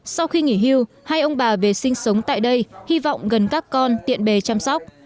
sau khi nghỉ hưu hai ông bà về sinh sống tại đây hy vọng gần các con tiện bề chăm sóc